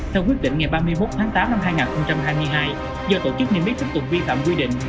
theo quyết định ngày ba mươi một tháng tám năm hai nghìn hai mươi hai do tổ chức nghiêm miết tiếp tục vi phạm quy định